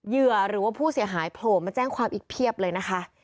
เหยื่อหรือว่าผู้เสียหายโผล่มาแจ้งความอีกเพียบเลยนะคะ